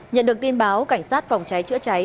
nhận được tin báo cảnh sát phòng cháy chữa cháy